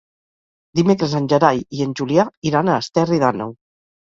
Dimecres en Gerai i en Julià iran a Esterri d'Àneu.